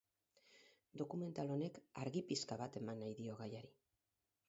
Dokumental honek argi pixka bat eman nahi dio gaiari.